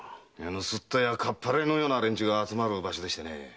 盗人やかっぱらいのような連中が集まる場所でしてね。